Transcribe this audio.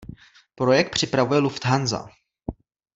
Projekt připravuje Lufthansa.